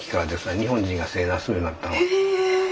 日本人が正座するようになったんは。